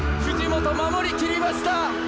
藤本、守り切りました！